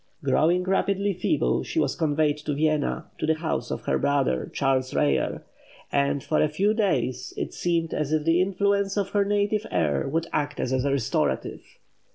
Growing rapidly feeble, she was conveyed to Vienna, to the house of her brother, Charles Reyer; and, for a few days, it seemed as if the influence of her native air would act as a restorative.